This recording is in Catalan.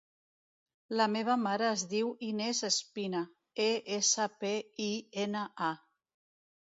La meva mare es diu Inés Espina: e, essa, pe, i, ena, a.